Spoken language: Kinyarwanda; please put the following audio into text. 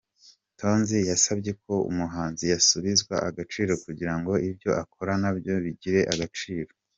Tonzi yasabye ko umuhanzi yasubizwa agaciro kugira ngo ibyo akora nabyo bigire agaciro.